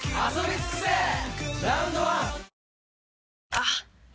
あっ！